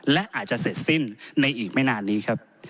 และอาจจะเสร็จสิ้นในอีกไม่นานนี้ครับ